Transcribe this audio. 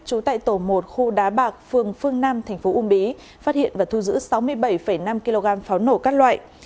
trú tại tổ một khu đá bạc phương phương nam tp ung bí phát hiện và thu giữ sáu mươi bảy năm kg pháo nổ các loại